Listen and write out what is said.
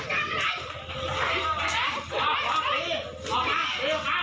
กลับมาพร้อมขอบความ